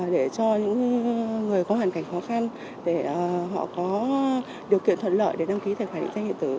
để cho những người có hoàn cảnh khó khăn để họ có điều kiện thuận lợi để đăng ký tài khoản định danh điện tử